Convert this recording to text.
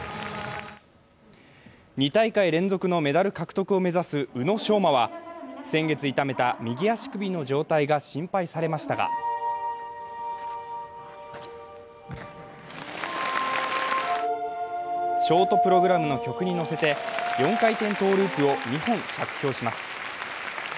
２大会連続のメダル獲得を目指す宇野昌磨は先月痛めた右足首の状態が心配されましたがショートプログラムの曲に乗せて４回転トウループを２本着氷します。